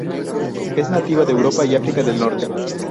Es nativa de Europa y África del norte.